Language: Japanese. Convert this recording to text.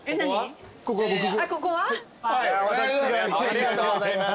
ありがとうございます。